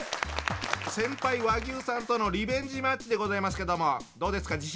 先輩和牛さんとのリベンジマッチでございますけどもどうですか？